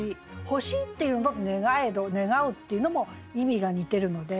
「欲しい」っていうのと「願えど」「願う」っていうのも意味が似てるので。